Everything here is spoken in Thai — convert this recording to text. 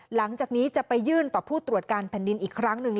หลังจากนี้จะไปยื่นต่อผู้ตรวจการแผ่นดินอีกครั้งหนึ่ง